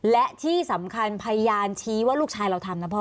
และที่สำคัญพยานชี้ว่าลูกชายเราทำนะพ่อ